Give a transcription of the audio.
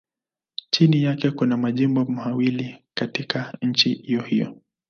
Chini yake kuna majimbo mawili katika nchi hiyohiyo.